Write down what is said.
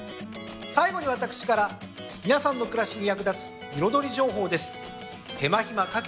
最後に私から皆さんの暮らしに役立つ彩り情報です。